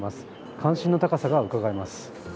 関心の高さがうかがえます。